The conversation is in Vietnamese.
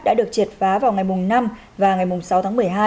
đã được triệt phá vào ngày năm và ngày sáu tháng một mươi hai